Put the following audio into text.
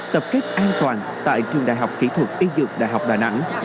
tập kết an toàn tại trường đại học kỹ thuật y dược đại học đà nẵng